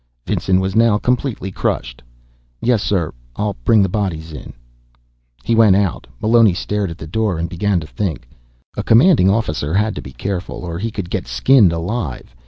Vinson was now completely crushed. "Yes, sir. I'll bring the bodies in." He went out. Meloni stared at the door, and began to think. A commanding officer had to be careful, or he could get skinned alive.